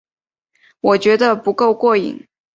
我觉得不够过瘾